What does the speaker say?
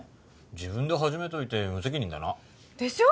自分で始めといて無責任だなでしょ？